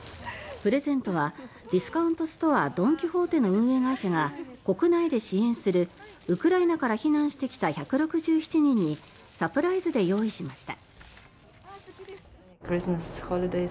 プレゼントはディスカウントストアドン・キホーテの運営会社が国内で支援するウクライナから避難してきた１６７人にサプライズで用意しました。